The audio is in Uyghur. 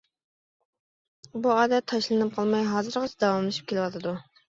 بۇ ئادەت تاشلىنىپ قالماي ھازىرغىچە داۋاملىشىپ كېلىۋاتىدۇ.